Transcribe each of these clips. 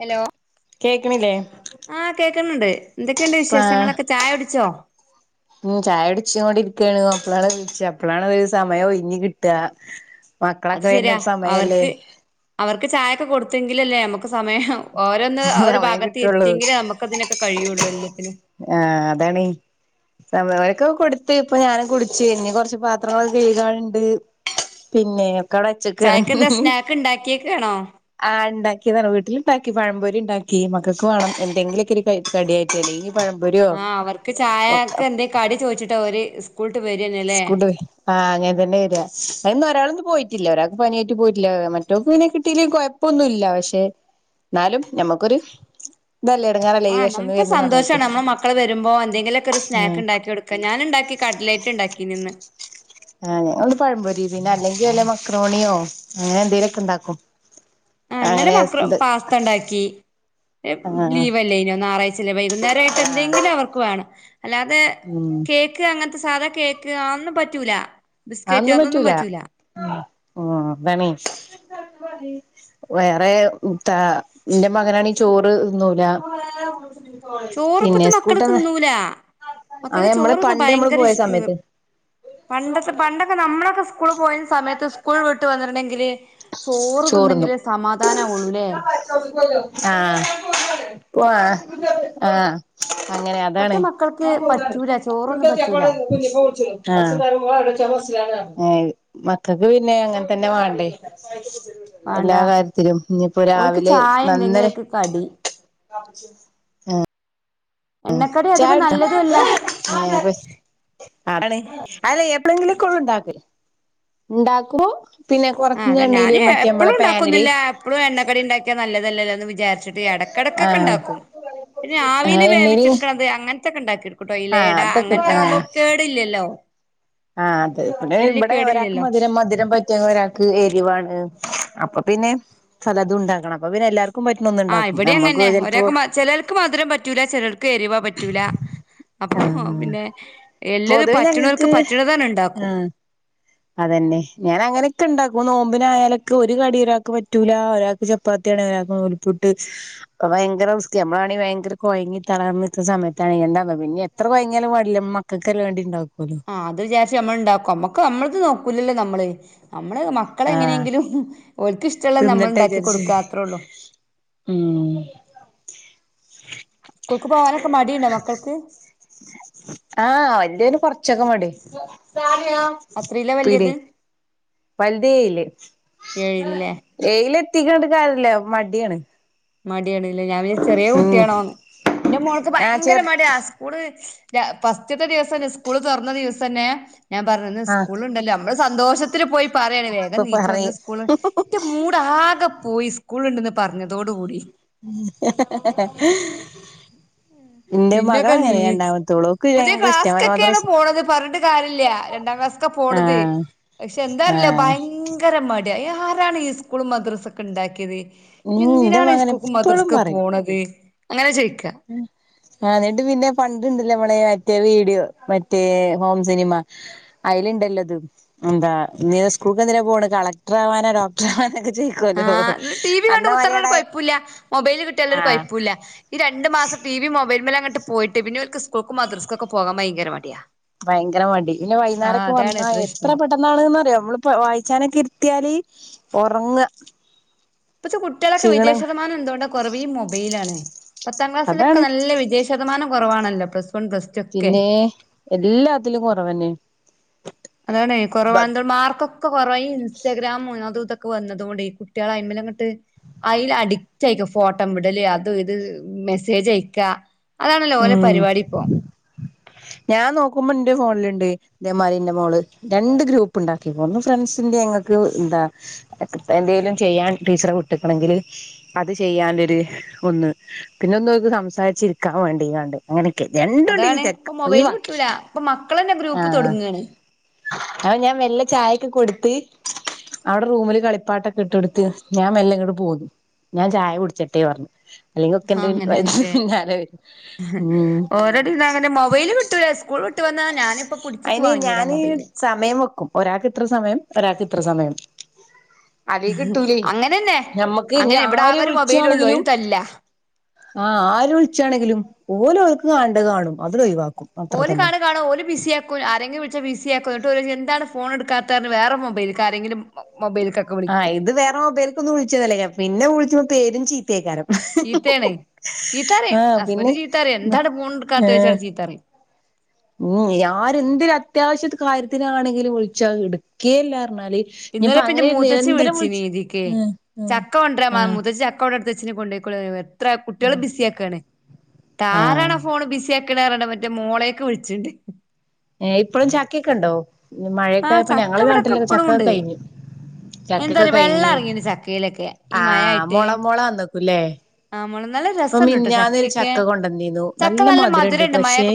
Hello കേക്കണില്ലേ ആഹ് കേക്കുന്നുണ്ട് എന്തൊക്കെയുണ്ട് പ്പാ വിശേഷങ്ങളൊക്കെ ചായ കുടിച്ചോ ഉം ചായകുടിച്ചോണ്ടിരിക്ക അപ്പളാണ് വിളിച്ച അപ്പളാണ് സമയം ഒഴിഞ്ഞികിട്ട അത് മക്കളൊക്കെ വരുന്ന സമയല്ലേ മുക്ക് ചായൊക്കെ കൊടുത്തെങ്കിലല്ലേ നമുക്ക് സമയാവോ ഓരൊന്ന് ഒരു സമയം ഭാഗത്ത് കിട്ടുള്ളൂ ഇരുതിയെങ്കിലേ നമുക്കതിനൊക്കെ കഴിയുള്ളൂ എല്ലാത്തിനും. ആഹ് അതാണേയ് [unintelligible] ക്ക കൊടുത്ത് ഇപ്പൊ ഞാനും കുടിച്ചു ഇഞ്ഞപ്പോ കൊറച്ച് പാത്രങ്ങളൊക്കെ കഴുകാനണ്ട് പിന്നെ ക് ടെ വച്ചക്കാണ് ചായക്ക് ഹ് എന്താ ഹും. സ്നാക്ക് ഉണ്ടാക്കിയേക്കാണോ ആ ഉണ്ടാക്കിതാണ് വീട്ടില് ഉണ്ടാക്കി പഴമ്പൊരി ണ്ടാക്കി മക്കൾക്ക് വാണം എന്തെങ്കിലൊക്കെ ഒരു കടിയായിട്ടാടീ ആഹ് അവർക്ക് ചായക്കെ എന്തേ കടി ചോദിച്ചിട്ടെ ഓര് സ് [unintelligible] ആഹ് അങ്ങന് തന്നെ വരാ ന്ന് ഒരാളൊന്നും പോയിട്ടില്ല ഒരാൾക്ക് പനിയായിട്ട് പോയിട്ടില്ല മറ്റോക്ക് പിന്നെ കിട്ടീലെങ്കിലും കൊയപ്പൊന്നില്ല പക്ഷെ എന്നാലും ഞമ്മക്കൊരു ഇതല്ലേ എടങ്ങേറല്ലേ ഈ ആഹ് വെശന്ന് നമുക്ക് വരുന്ന സമയത്ത് സന്തോഷാണ് നമ്മൾ മക്കൾ വരുമ്പോ എന്തെങ്കിലൊക്കെ ഒരു ആഹ് സ്നാക്ക് ണ്ടാക്കി കൊടുക്ക ആ ഞാന്ണ്ടാക്കി കടലറ്റ് റ്റ് ണ്ടാക്കിനിം ഇന്ന് ആഹ് ഞങ്ങളിന്ന് പയംപൊരി പിന്നെ അല്ലെങ്കി വല്ല മക്രോണിയോ അങ്ങനെ എന്തെലുമൊക്കെ ഇണ്ടാക്കും. ആ ന്നലെ അങ്ങനെ മക്രോ ഇത് പാസ്ത ണ്ടാക്കി ആഹ് ആഹ് ലീവല്ലായ്‌നോ ഞായറാഴ്ചല്ലേ വൈകുന്നേരായിട്ട് എന്തെങ്കിലൊന്നു അവർക്ക് വേണം അല്ലാതെ ഉം കേക്ക് അങ്ങനത്തെ സാധാ കേക്ക് അതൊന്നും പറ്റൂല അതൊന്നും പറ്റൂല ഉം [unintelligible] വേറെ താ ഇന്റെ മകനാണീ ചോറ് തിന്നൂല്ല [inaudible] പിന്നെ ചോറിപ്പത്തെ മക്കള് സ്കൂട്ടന്ന തിന്നൂല ആ മക്കൾക്ക് മ്മള ചോറ് പണ്ട് നമ്മള് ഭയങ്കര പോയ സമയത്ത് പണ്ടത്തെ പണ്ടൊക്കെ നമ്മളൊക്കെ സ്കൂള് പോയിനെ സമയത്ത് സ്കൂൾ വിട്ട് വന്നിട്ടണ്ടെങ്കിൽ ചോറ് ചോറ്ന്നും തിന്നെങ്കിലേ സമാധാനവൊള്ളൂല്ലേ? ആഹ് പോ ആഹ് അങ്ങനെ ഇപ്പത്തെ അതാണ് മക്കൾക്ക് ആ പറ്റൂല ചോറൊന്നും പറ്റൂല ഏ മക്കൾക്ക് പിന്നെ അങ്ങനെ തന്നെ വാണ്ടേ വേണ്ട എല്ലാ കാര്യത്തിലും ഇനിയിപ്പോ ഓർക്ക് രാവിലെ ചായ എന്തെങ്കിലുമൊക്കെ കടി [unintelligible] [inaudible] ഉം എണ്ണക്കടി അധികം ചായുടിച്ചോ നല്ലതും അല്ല [unintelligible] അല്ല എപ്പളെങ്കിലൊക്കോള്ളുണ്ടാക്കൽ ണ്ടാക്കുമ്പോ ആഹ് അതാ ഞാൻ എപ്പഴും ണ്ടാക്കുന്നില്ല എപ്പോഴും എണ്ണക്കടി ണ്ടാക്കിയ നല്ലതല്ലല്ലോന്ന് വിചാരിച്ച എടക്കിടക്കൊക്കെ ആഹ് ണ്ടാക്കും പിന്നെ ആവിൽ ആഹ് എണ്ണീല് വേവിച്ചെടുക്കണത് അങ്ങനത്തൊക്കെ ണ്ടാക്കും ട്ടോ ആഹ് ഇലെട അതൊക്കെ അങ്ങനത്തെ ആഹ് ആകുമ്പോ കേടില്ലല്ലോ ആഹ് അതെ പിന്നെ വല്യ ഇവിടെ ഇവിടെ ഒരാൾക്ക് കേടില്ലല്ലോ മധുരം മധുരം പറ്റ റ്റ ഒരാൾക്ക് എരിവാണ് അപ്പൊ പിന്നെ പലതുണ്ടാക്കണം അപ്പൊ പിന്നെ എല്ലാവർക്കും ആഹ് ഇവിടെ അങ്ങനെന്നെ ഒരാൾക്ക് ചെലേൽക്ക് മാധുരം പറ്റൂല ചേലോൽക്ക് എരിവ പറ്റൂല അപ്പൊ ആഹ് പിന്നെ എല്ലരും പൊതുവെ ഞങ്ങക്ക് പറ്റനോല്ക്ക് പറ്റണത് അങ്ങട്ട് ണ്ടാക്കും ആഹ് അതന്നെ ഞാൻ അങ്ങനെയൊക്കെ ഉണ്ടാക്കും നോമ്പിനായയാലൊക്കെ ഒരു കടിിയ ഒരാൾക്ക് പറ്റൂല ഒരാക്ക് ചപ്പാത്തി- നൂൽപ്പുട്ട് ഭയങ്കര വൃത്തി നമ്മളാണെങ്ക ഭയങ്കര കുഴങ്ങി തളർന്ന നിൽുന്ന സമയത്താണ്. ന്താന്നോ പിന്നെത്രെ കോയങ്ങിയാലും വേണ്ടില്ല മക്കൾക്കല്ലേ വേണ്ടിട്ട്- ആഹ് അത് വിചാരിച്ച നമ്മള ഇണ്ടാക്കും നമ്മക്ക് നമ്മളത് നോക്കൂലല്ലോ നമ്മൾ. നമ്മള് മക്കള ആഹ് എങ്ങനെയെങ്കിലും- ഓല്ക്ക് ഇഷ്ട്ടല്ലത് ഞമ്മൾ തിന്നട്ടെ ഇണ്ടാക്കി വിചാരിച്ച് കൊടുക്ക അത്രോളു. ഉം സ്കൂൾക്ക് പോവാനക്കെ മടിണ്ടോ മക്കൾക്ക്? ആഹ വല്ല്യോൻ കൊറച്ചൊക്കെ മടി അത്രീലാ പിടി- വല്യത് വലതേയിൽ ഏഴിലല്ലേ ഏയിലെത്തിക്ക്ണ് ന്ന് പറഞ്ഞിട്ട് കാര്യല്ല മടിയാണ്. മടിയാണ് ലെ ഞാൻ വിചാരിച്ചു ചെറിയ ഉം കുട്ടിയാണോ ന്ന് ന്റെ മോൾക്ക് ആഹ് ഭയങ്കര ചെർ മടിയ സ്കൂൾ- ഫാസ്റ്റത്തെ ദിവസം തന്നെ സ്കൂൾ തുറന്ന ദിവസം തന്നെ ഞാൻ പറഞ്ഞു ഇന്ന് ആഹ് സ്കൂൾ ണ്ടല്ലോ- സന്തോഷത്തിൽ പോയി പറയാണ് ഇപ്പൊ വേഗം നീച്ചോ പറയ് ന്ന് സ്കൂൾ എന്റെ മൂടാകെ പോയി. സ്കൂൾ ണ്ട് ന്ന് പറഞ്ഞതോട് കൂടി- [unintelligible] ഇന്റെ പിന്നൊക്കെ മകളങ്ങനെ നീച് രണ്ടാമത്തോള് ഓക്ക് പുതിയ ഭയങ്കര ഇഷ്ട ക്ലാസ്സ്‌ ക്കൊക്കെണ് മദ്രസ് പോകണത് പറഞ്ഞിട്ട് കാര്യല്ല. രണ്ടാം ക്ലാസ്സക്കെ പോണത് ആഹ് പക്ഷെ എന്താറില്ല ആഹ് ഭയങ്കര മടി. ആരാണ് ഈ സ്കൂൾ മദ്രസ ഒക്കെ ഇണ്ടാക്കിയത്? ഉം ഇന്റെ എന്തിനാണ് ഈ മകന് എപ്പളും സ്കൂൾക്കുംമദ്രസക്ക് പറയും പോണത് അങ്ങനെ ചോയ്- ആ ന്നിട്ട് പിന്നെ പണ്ട്ണ്ടല്ലോ നമ്മള മറ്റേ വീഡിയോ മറ്റേ ഹോം സിനിമ അതിലുണ്ടല്ലോതും എന്താ എന്തിനാ സ്കൂൾക്ക് എന്തിനാ പോണ് കളക്ടർ ആവാന ഡോക്ടർ ആവാനാ ആഹ് ടീവി കണ്ട് കുത്താർന്ന ഒരു കൊയപ്പോല്ലാ മൊബൈൽ കിട്ടിയാലൊരു ആഹ് കൊയപ്പുല്ല ഈ രണ്ട് രണ്ട് മാസം ടി വി മൊബൈൽമലങ്ങാട്ട് പോയിട്ട് പിന്നോല്ക്ക് സ്കൂൾക്കും മദ്രസ്സക്കും ഒക്കെ പോവാൻ മടിയ ഭയങ്കര മടി പിന്നെ വൈന്നരൊക്ക വന്നാ എത്ര പ്രശ്നം പെട്ടെന്നാണ്ന്ന്റിയോ നമ്മളി വായിച്ചാനൊക്കെ ഇരുത്തിയാല് ഒറങ്ങാ പത്ത കുട്ട്യാളെക്കെ വിജയശത്തമനൊക്കെ ന്താ കൊറവ് ഈ മൊബൈലാണ് പത്താം ക്ലാസ്സിലൊക്കെ അതാണ് നല്ല വിജയശതമാനം കുറവാണല്ലോ പിന്നേ എല്ലാത്തിലും കുറവന്നെ. അതാണ് കുറവാണന്തോ മാർക്കൊക്കെ കുറവായി ഈ ഇൻസ്റ്റാഗ്രാാം അത അതൊക്കെ- വന്നതുകൊണ്ട് കുട്ട്യാൾ അയിമ്മലങ്ങട്ട്. അതിൽ അഡിക്റ്റ് അയക്ക ഫോട്ടോ വിടല് അതും ഇത് മെസ്സേജ് അയക്കാ. അതാണല്ലോ മ് ഓലെ പരിപാടി ഇപ്പോ ഞാൻ നോക്കുമ്പോ എന്റെ ഫോണിലിണ്ട്. ഇതേ മാരി ഇന്റെ മോള് രണ്ട് ഗ്രൂപ്പ് ഉണ്ടാക്കിപ്പോ ഒന്ന് ഫ്രണ്ട്സിന്റെ ഞങ്ങൾക്ക് എന്താ ന്തേലും ചെയ്യാൻ ടീച്ചർ വീട്ടിക്കനെങ്കിൽ അത് ചെയ്യണ്ല്ലൊരു ഒന്ന് പിന്നെ ഒന്ന് സംസാരിച്ചിരിക്കാൻ വേണ്ടിയകാണ്ട് അങ്ങനെ രണ്ടും അതാണ് ഡിലീറ്റ് ആക്കി ഇപ്പൊ മൊബൈല് ഒഴിവാക്കി കിട്ടൂല ഇപ്പൊ മക്കളന്നെ ആ ഗ്രൂപ്പ് തൊടങ്ങാണ് അ ഞാൻ വെല്ല ചായക്കെ കൊടുത്ത് അവിടെ റൂമില് കളിപ്പാട്ടൊക്കെ ഇട്ടൊട്ത്ത് ഞാൻ മെല്ലെ ഇങ്ങോട്ട് പോന്നു. ഞാൻ ചായ കുടിച്ചിട്ടേ പറഞ്ഞു അല്ലെങ്കിൽ ഒക്കെന്റെന്നെ പിന്നാലെ വരും. ഉം ഓരോടെന്ന് അങ്ങനെ മൊബൈല് വിട്ടൂല സ്കൂൾ വിട്ട് വന്നാ ഞാനിപ്പ പിടിച്ചച്ച് അയിന് വാങ്ങിയതാ ഞാന് മൊബൈല് സമയം വെക്കും ഒരാൾക്ക് ഇത്ര സമയം ഒരാൾക്ക് ഇത്ര സമയം അതേ കിട്ടൂലേ അങ്ങനെന്നെ ഞമ്മക്ക് ഇനി അങ്ങനെ ഇവിടെ ആര് ആകെ ഒരു മൊബൈല് ഉള്ളൂ വൂളിച്ചാണെങ്കിലും അയിന് തല്ലാ ആഹ് ആര് വൂളിച്ചാണെങ്കിലും ഓല് ഓല്ക്ക് കാണണ്ടത് കാണും. അത് കൈവ ഓലി കാണ കാണോ ഓല് ബിസിയാക്കും ആരെങ്കിലും വിളിച്ചാ ബിസിയ ആക്കും എന്നട്ട് ഒരു എന്താണ് ഫോൺ എടുക്കാത്തവ വേറെ മൊബൈലക്ക് ആരെങ്കിലും മൊബൈല്ക്കൊക്കെ ആഹ് വിളിക്കും ഇത് വേറെ മൊബൈൽ ക്കൊന്നും വിളിച്ചാല്ലയ്ക്കരിം പിന്നെ വൂളിച്ചുമ്പോ പെരും ചീത്തയ്ക്കാരം ചീത്തേണ് ചീത്തറിം ആഹ് പിന്നെ ഹസ്ബൻഡ് ചീത്തറിം എന്താണ് ഫോണ് ടക്കാത്തത് ന്ന് പറഞ് ചീത്ത പറനി ഊ യാര് എന്ത് അത്യാവശ്യ കാര്യത്തിന് കാര്യത്തിനാണെങ്കിലും വിളിച്ച എടക്കെല്ല ഇന്നലെ പിന്നെ മൂത്തച്ചി വിളിച്ചീനി വിളിച്ചു ഇതിക്ക് ആഹ് ആഹ് ചക്ക കോണ്ട്ര പറഞ് ആഹ് മൂത്തച്ചി ചക്ക ഔടെ ച്ഛ കൊണ്ടോയി എത്ര ആഹ് കുട്ടികളും ബിസ ആാക്കാണ് താരാണ ആഹ് ഫോൺ ബിസ ിണറണ്ട മറ്റേ മോളെയൊക്കെ വിളിച്ചിണ്ട് ഏ ഇപ്പോഴും ചക്കയൊക്കെ ഉണ്ടോ മഴയൊക്കെ ആഹ് ആയപ്പോ ചക്ക ഞങ്ങള ഇവിടൊക്കെ നാട്ടിലൊക്കെ ഇപ്പളും ചക്കൊക്കെ ഉണ്ട് കഴിഞ്ഞു ചക്കക്കെ എന്താറിയോ വെള്ളം കഴിഞ്ഞ് എറങ്ങീണ് ചക്കയിലൊക്കെ ഈ മഴ ആഹ ആയിട്ട് മുള മുള വന്നക്കൂല്ലേ ആഹ് മോളെ നല്ല ഇപ്പൊ രസണ്ട് ട്ടോ മിന്നന്നൊരു ചക്കയൊക്കെ ചക്ക കൊണ്ടുവന്നീന്നു ചക്ക നല്ല മധുര ഉണ്ട് പക്ഷേ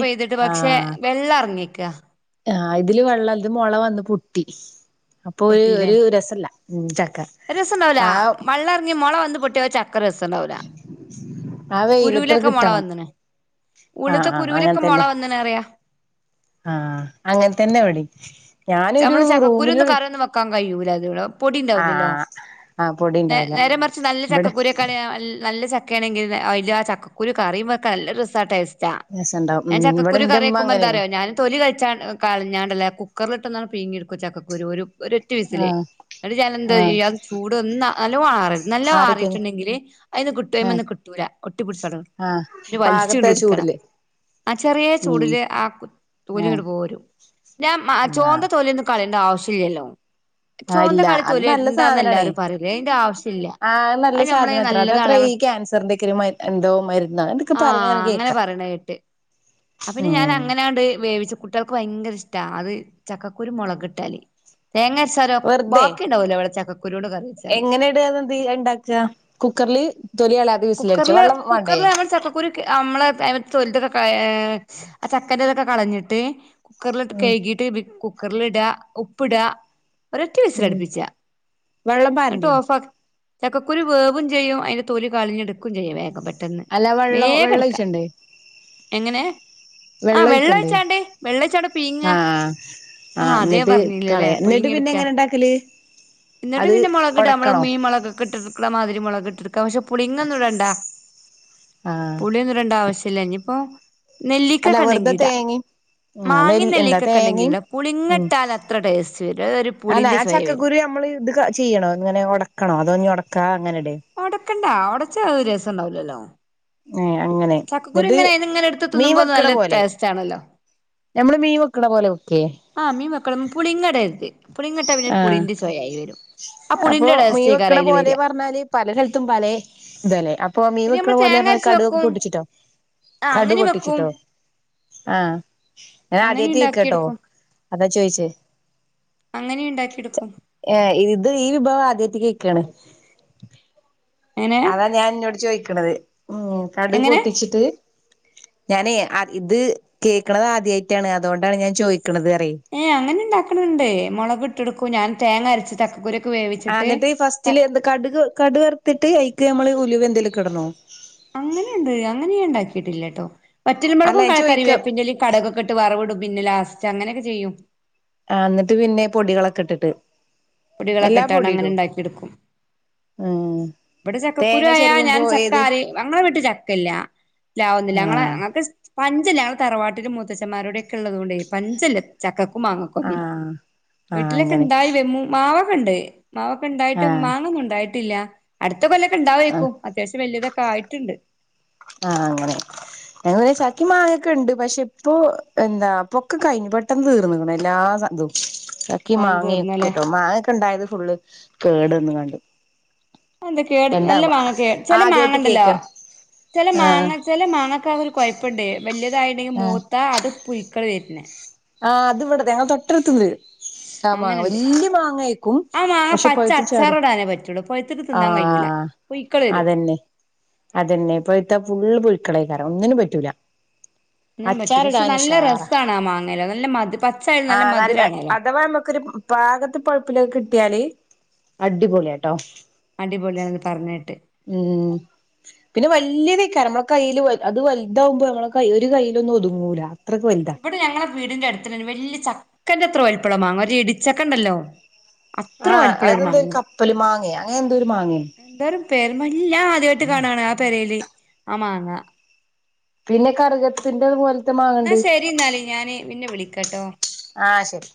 ആഹ വെള്ള ഇറങ്ങിക്ക ആഹ് ഇതില് വെള്ളത് മുള വന്ന് പൊട്ടി അപ്പൊ ഒരു ഒരു രസല്ല രസംണ്ടാവല ആഹ് വെള്ള ഇറങ്ങി മുള വന്ന പൊട്ടിയ ചക്കര രസംുണ്ടാവല ആ വെയില എത്ര കിട്ടണം ആഹ ഉള്ള്ത്തെ ആഹ് അങ്ങനെ കുരുവിലൊക്കെ മൊള തന്നെ വന്ന്ണ് പറയാ ആഹ അങ്ങനെ തന്നെ എവിടെ ചമ്മള ച കുരു ഒന്ന് കറൊന്നും വെക്കാൻ കഴിയൂല അതടെ പൊടണ്ടാവില്ലല്ലോ ആഹ് ആഹ് പൊടി ഉണ്ടാവില്ല ചരമറിച്ച് നല്ല ചക്ക ഇവിടെ കുരക്കളിയ നല്ല ചക്കയാണെങ്കിൽ അതില് ആ ചക്കുരു കറുമ്പൾൊക്കെ നല്ല രസമാണ് ടേസ്റ്റ് രസണ്ടാവും ഞാൻ ഉം ഇവിടെ ചക്കുരു എന്റെ ഉമ്മ കറിക്കുമ്പോ അങ്ങനെയാണ് എന്താറിയോ ഞാൻ തൊല കഴിച്ച കളഞ്ഞാണ്ടല്ലേ കുക്കറിൽ പട്ട പീങ്ങി എടുക്കോ ചക്കൂരു ഒരു ഒറ്റ വയസിലേ ആഹ് എന്നല ആഹ് എന്താ്യ ചൂട് ഒന്ന നല്ല വറ നല്ല ആറിക്കഴിഞ്ഞ് ആറിയിട്ടുണ്ടെങ്കില് അതിന്ന് കിട്ടു ആഹ് അ്മന്ന് കിട്ട ഒട്ടിപ്പടിച്ചട ആഹ് വലിച്ച കൊണ്ട് പാകത്തെ എടുക്കണം ചൂടില് ആ ചെറിയ ഉം ചൂടിില് ആ ആഹ് തോലിടു പോരും ഞാൻ ആഹ് ചോന്ത തോല്യൊന്നും കളിയണ്ട ആവശ്യമില്ലല്ലോ ആഹ് മോന്ത ഇല്ല തൊലി അത് നല്ല തൊലിണ്ടാന്ന് സാധനാണേ എല്ലാരും പറയൂ അതിന്റെ ആവശ്യല്ല അത് നമ്മളെ നല്ലതാള കാൻസറിന്റെ ഒക്ക എന്തോ മരുന്ന് ഇതൊക്കെ പറഞ്ഞൻ കേക്കാ അപ്പന്ന ഞൻ അങ്ങനെയണ്ട് വേവിച്ചു കുട്ട്യാൾക്ക് ഭയങ്കര ഇഷ്ടം അത് ചക്കക്കുരു മുളക് ഇിട്ടാലേ തേങ്ങ ര്ച്ചിലോ വെറുതെ ബാക്കി ഉണ്ടാവൂലോ ഇവിടെ ചക്ക എങ്ങനെ ഇടെ ഉണ്ടാക്കുക കുക്കറില് തൊലി കളയാതെ വിസിലടിച്ച വെള്ളം വേണ്ടേ നമ്മള് ചക്കക്കുരു നമ്മള് മത്ത് തൊലിതൊക്കെ ആ ചക്കൻതൊക്കെ കളഞ്ഞിട്ട് കുക്കറിലിട്ട് ഉം കഴുകിയിട്ട് കുക്കറിലിടാ ഉപ്പ്ടാ ഒരൊറ്റ ഉം വിസൽടുപ്പിച്ചാ വെള്ളം എന്നിട്ട് പാരണ്ടേ ഓഫാക്കി ചക്കൂരു വേവുംയും ചെയ്യും അതിന്റെ തൊല കളിഞ്ഞടുക്കും ചെയ്യ വേഗംപ്പെട്ട് ട്ടെന്ന് അല്ല വെള്ളം വേഗം വെള്ളം എടുക്ക ഒഴിച്ചണ്ടേ എങ്ങനെ ആ വെള്ളം വെള്ള ഒഴിക്കണ്ടേ വെച്ചാണ്ടേ വെള്ള വച്ചാണ്ട് പീങ്ങ ആഹ് ആ ആഹ് അതേ എന്നിട്ട് പറഞ്ഞില്ലല്ലേ കളയാ എന്നിട്ട് പുഴുങ്ങി പിന്നെ എടുക്ക എങ്ങനെ ഇണ്ടാക്കല് എന്നിട്ട് അത് പിന്നെ മുളക് ഇട നമ്മള് ഒടക്കണോ മീൻ മുളകൊക്കെ ഇട്ട മാതിരിളക് ഇട്ടി പക്ഷെ പുളിങ്ങൊന്നും ഇടണ്ട ആഹ് പുളിയൊന്നും ഇടണ്ട ആവശ്യ ഇല്ല ഇനിയിപ്പോ അല്ല വെറുതെ നെല്ലിക്കക്കെണ്ടങ്കി ഇടാ തേങ്ങയും ആഹ് മാങ്ങി നെല്ല് എന്താ നെല്ലിക്ക ണ്ടെങ്കിൽ തേങ്ങയും ഉം പുളിങ്ങിട്ടാൽ അത്ര ടേസ്റ്റ് വരും ഒരു അല്ല പുളിന്റെ ആ ചൊയ വരും ചക്കക്കുരു നമ്മള് ഇത് ചെയ്യണോ ഇങ്ങനെ ഒടക്കണോ അതോഞ്ഞി ഒടക്കാതെ അങ്ങനെടേ ഒടക്കണ്ടാ ഒടച്ചാ രസം ഉണ്ടാവലല്ലോ ഏഹ് അങ്ങനെ ചക്കക്കുരു എന്നിട്ട് ഇങ്ങനെ ഇങ്ങനെ എടുത്ത് മീൻ തിന്നുമ്പോ വെക്കണ നല്ല പോലെ ടേസ്റ്റ് ആണല്ലോ നമ്മള് മീൻ വെക്കണ പോലെ വെക്കേ ആ മീ മക്കളും പുളിങ്ങ ഇടരുത് പുളിങ്ങട്ടാ പിന്നെ ആഹ് പുളിന്റെ ചൊയായി വരും ആ അപ്പൊ പുളിന്റെ മീൻ ടേസ്റ്റേക്കാര വെക്കണ അ യ്ൽ പോലെ വരിക പറഞ്ഞാല് പല സ്ലത്തും പലേ ഇതല്ലേ അപ്പൊ മീ പിന്നെ വെക്കണ നമ്മള് പോലെ തേങ്ങ അരച്ച് കടുവൊക്കെ വെക്കും പൊട്ടിച്ചിട്ടോ ആഹ് കടു അങ്ങനെ വെക്കും പൊട്ടിച്ചിട്ടോ ആഹ് ഞൻ അങ്ങനെ ആദ്യായിട്ടേക്കട്ടോ ഉണ്ടാക്കിയെടുക്കും അത് ചോയ്ച്ച അങ്ങനെ ഉണ്ടാക്കിയെടുക്കും ഇത് ഈ വിഭവം കേക്കാണ് എങ്ങനെ അതാ ഞാൻ അന്നോട് ചോദിക്കണത് ഉം കടു എങ്ങനെ പൊട്ടിച്ചിട്ട് ഞാനേ ഇത് കേൾക്കണത് ആദ്യായിട്ടാണ് അതുകൊണ്ടാണ് ഞാൻ ചോദിക്കുന്നത് ഏ അങ്ങനെ ഉണ്ടാക്കണണ്ട് മുളക് ഇട്ടെടുക്കും ഞാൻ തേങ്ങ അരച്ച് ചക്കക്കുരു ആ എന്നിട്ട് ഫസ്റ്റില് എന്താ കടു കടു വറത്തിട്ട് ഐക്ക് നമ്മള് ഉലുവ് എന്തേലും ഇടണോ അങ്ങനെയുണ്ട് അങ്ങനെയ ഉണ്ടാക്കിട്ടില്ല ട്ടോ വറ്റല് അല്ല മൊളകും ഞാൻ ചോയിക്കാം കരിവേപ്പിന്റെലയും കടകൊക്കെട്ട് വറവവിടും പിന്നെ ലാസ്‌റ്റ് അങ്ങനൊക്കെ ചെയ്യും ആ എന്നിട്ട് പിന്നെ പൊടികളൊക്കെ ഇട്ടിട്ട് പൊടികളൊക്കെ എല്ലാ ഇട്ടാണ്ട് പൊടിയും അങ്ങനെ ഇടോ ഉണ്ടാക്കി എടുക്കും ഉം ഇവിടെ ചക്ക കുുരു തേങ്ങ ആയാ ഞാൻ ചെരുവുമ്പോ ഏത് ചക്കാറി ഞങ്ങളെ വിട്ട് ചക്ക ഇല്ല ഇല്ലാവുന്നില്ല ആ ങ്ങെ ങ്ങക്ക് പഞ്ചല്ല ഞങ്ങളെ തറവാട്ടിലും മൂത്തച്ഛമാരോടെയ ഒക്കെ ഉള്ളതുകൊണ്ട് പഞ്ചല്ല ചക്ക ആ മാങ്ങക്കുന്നു ആ വീട്ടിലൊക്കെ അങ്ങനെ ഉണ്ടായി വ മാവ മാണ്ട് മാവക്ക ഉണ്ടായിട്ട് ആ മാങ്ങൊന്നും ഉണ്ടായിട്ടില്ല അടുത്ത കൊല്ലൊക്കെ ആ ഉണ്ടാവേക്കും അത്യാവശ്യം വല്ല്യതക്കെ ആയിട്ടുണ്ട് ആഹ് അങ്ങനെ ഞങ്ങക്ക് ചക്കി മാങ്ങൊക്കെ ഉണ്ട് പക്ഷെ ഇപ്പോ എന്താ പൊക്കെ കഴിഞ്ഞു പെട്ടെന്ന് തീർന്നണം എല്ലാം [unintelligible] ചക്കി കാലം തീർന്നല്ലേ മാങ്ങൊക്കെട്ടോ മാങ്ങൊക്കെ ഇണ്ടായത് ഫുള്ള് കേടന്ന് കണ്ട് എന്ത കേട് നല്ല എന്താവ മാങ്ങ കേട് ചെല ആദ്യായിട്ട് മാങ്ങണ്ടല്ലോ കേക്കാണ് ചെല ആഹ് മാങ്ങ ചെല മാങ്ങക്കര് കുഴപ്പുണ്ട് വല്ല്യതായിട്ടണ്ടെങ്കിൽ ആഹ് മൂത്താ അത്ഴിക്കും ക്കള് വരണ് ആഹ് അത് ഇവിടെത്തെ ഞാൻ തൊട്ടടുത്തര് ആഹ് മാങ്ങ അങ്ങനെണ്ട് വല്യ മാങ്ങ ആക്കും ആ മാങ്ങ പക്ഷെ പച്ച പഴത്ത ചാടെ അച്ചാറിടാനേ പറ്റുള്ളൂ പഴുത്തിട്ട് തിന്നാൻ കഴിയൂല ആഹ് പുഴുക്കള് വരും അത് തന്നെ ഇപ്പഴത്തെ ഫുള്ള് പുഴക്കളേക്കറ ഒന്നിനും പറ്റൂല തിന്നാൻ പറ്റൂല പക്ഷെ നല്ല അച്ചാറിടാനുഷാറാ രസാണ് ആ മാങ്ങേല് നല്ല മധു പച്ചായാലും ആ നല്ല മധുരാണല്ലോ അഥവാ നമുക്കൊരു പാകത്ത് പഴപ്പിലൊക്കെ കിട്ടിയാല് അടിപൊളിയാട്ടോ അടിപൊളിയാണെന്ന് പറഞ്ഞേട്ട് ഉ പിന്നെ വലിയത് നമ്മുടെ കയ്യിയില് അത് വലുതാവുമ്പോ നമ്മള ഒരു കയ്യില ഒന്നും ഒതുങ്ങൂല അത്രക്ക് വലുതാ ഇവിടെ ഞങ്ങളെ വീടിന്റെ അടുത്തി വ ചക്കന്റെ അത്ര വലിപ്പമുള്ള മാങ്ങ ഒരു ഇടിച്ചക്ക ഉണ്ടല്ലോ അത്ര ആ വലിപ്പള്ള അതെന്തോ ഒരു മാങ്ങ കപ്പല് മാങ്ങ അങ്ങനെ എന്തോ ഒരു മാങ്ങ വല്ല ആദ്യമായിട്ട് കാണാണ് ആ പെരയില് ആ മാങ്ങ പിന്നെ കറുകത്തിറതുപലെ എന്നാ ശരി എന്നാലി ഞാന് പിന്നെ വിളിക്കട്ടോ ആ ശരി